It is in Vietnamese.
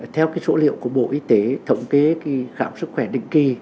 theo cái số liệu của bộ y tế thống kế khi khám sức khỏe đỉnh kỳ